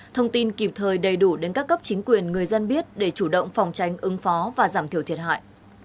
thông tin kịp thời đầy đủ đến các cấp chính quyền người dân biết để chủ động phòng tranh ứng phó và giảm thiểu thiệt hại